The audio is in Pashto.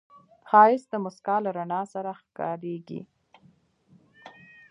ښایست د موسکا له رڼا سره ښکاریږي